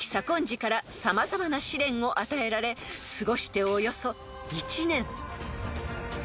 次から様々な試練を与えられ過ごしておよそ一年］